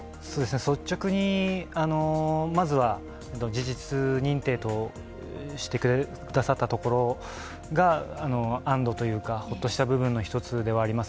率直にまずは事実認定としてくださったところが、安どというか、ほっとした部分の一つではあります。